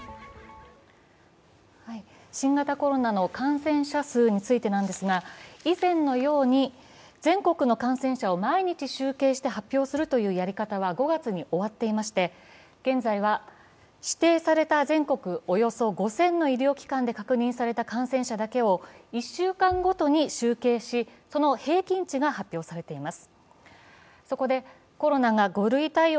新型コロナの感染者数についてなんですが、以前のように、全国の感染者を毎日集計して発表するというやり方は、５月に終わっていまして、現在は指定された全国およそ５０００の医療機関で確認された感染者だけを１週間ごとに集計し、その平均値が発表されています。